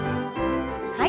はい。